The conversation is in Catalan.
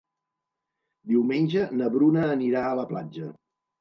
Diumenge na Bruna anirà a la platja.